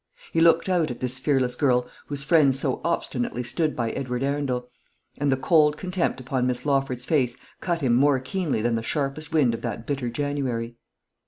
He looked out at this fearless girl whose friends so obstinately stood by Edward Arundel; and the cold contempt upon Miss Lawford's face cut him more keenly than the sharpest wind of that bitter January.